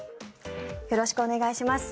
よろしくお願いします。